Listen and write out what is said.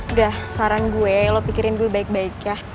udah saran gue lo pikirin gue baik baik ya